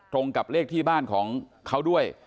กับเลขที่บ้านของเขาด้วย